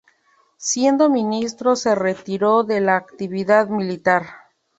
Siendo ministro se retiró de la actividad militar.